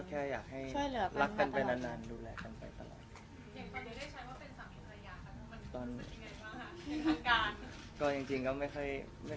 ใช่จัดให้ดูก่อนวันจริงด้วย